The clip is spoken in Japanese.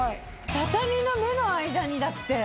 畳の目の間にだって。